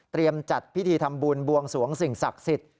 จัดพิธีทำบุญบวงสวงสิ่งศักดิ์สิทธิ์